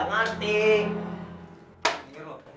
gue ini kan gak ngerti